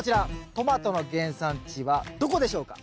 トマトの原産地はどこでしょうか？